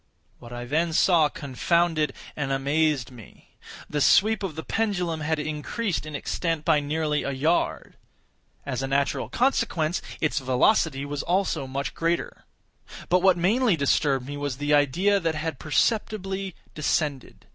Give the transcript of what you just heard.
What I then saw confounded and amazed me. The sweep of the pendulum had increased in extent by nearly a yard. As a natural consequence, its velocity was also much greater. But what mainly disturbed me was the idea that had perceptibly descended.